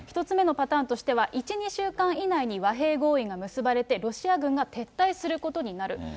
１つ目のパターンとしては、１、２週間以内に和平合意が結ばれて、ロシア軍が撤退することになる。